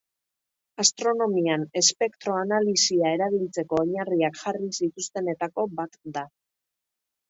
Astronomian espektro-analisia erabiltzeko oinarriak jarri zituztenetako bat da.